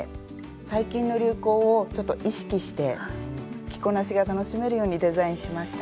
最近の流行をちょっと意識して着こなしが楽しめるようにデザインしました。